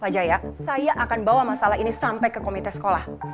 saya akan bawa masalah ini sampai ke komite sekolah